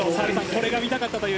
これが見たかったという。